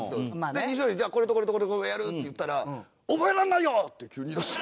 で西堀に「じゃあこれとこれとこれをやる」って言ったら「覚えらんないよ！」って急に言いだして。